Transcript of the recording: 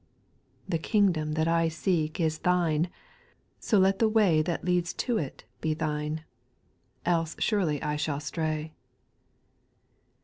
4. The kingdom that I seek Is Thine, so let the way That leads to it be Thine, Else surely I shall stray.